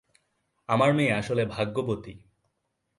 আমার মেয়ে আসলে ভাগ্যবতী।